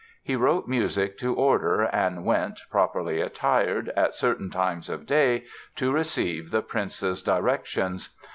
He wrote music to order and went, properly attired, at certain times of day, to receive the prince's directions.